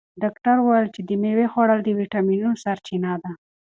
ډاکتر وویل چې د مېوې خوړل د ویټامینونو سرچینه ده.